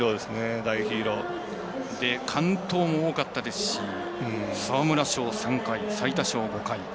完投も多かったですし沢村賞３回、最多勝５回。